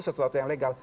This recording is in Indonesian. sesuatu yang legal